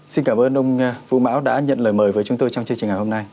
xin cảm ơn ông vũ mão đã nhận lời mời với chúng tôi trong chương trình ngày hôm nay